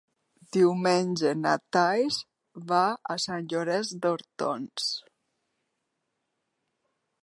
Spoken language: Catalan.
Diumenge na Thaís va a Sant Llorenç d'Hortons.